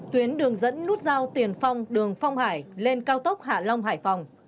tuyến đường dẫn nút giao tiền phong đường phong hải lên cao tốc hạ long hải phòng